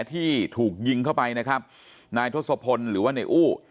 ที่ถูกยิงเข้าไปนะครับนายทศพลหรือว่าในอู้